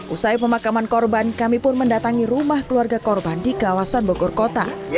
usai pemakaman korban kami pun mendatangi rumah keluarga korban di kawasan bogor kota